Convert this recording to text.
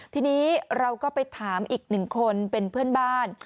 ทีนี้เราก็ไปถามอีกหนึ่งคนเป็นเพื่อนบ้าน